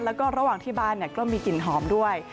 แล้วก็ระหว่างที่บ้านก็มีกลิ่นหอมด้วย